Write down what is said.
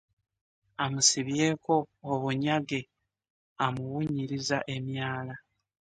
Amusibyeeko obunyage amuwunyiriza emyala .